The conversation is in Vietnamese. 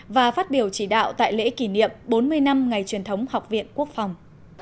và phát biểu chỉ đạo tại lễ kỷ niệm bốn mươi năm ngày truyền thống học viện quốc phòng